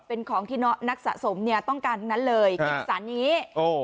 เป็นของที่นักสะสมเนี่ยต้องการทั้งนั้นเลยกินสารอย่างนี้